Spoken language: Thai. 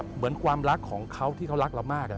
เหมือนความรักของเขาที่เขารักเรามาก